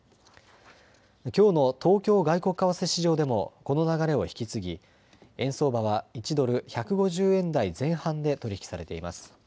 きょうの東京外国為替市場でもこの流れを引き継ぎ円相場は１ドル１５０円台前半で取り引きされています。